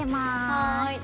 はい。